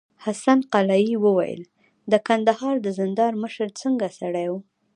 حسن قلي وويل: د کندهار د زندان مشر څنګه سړی و؟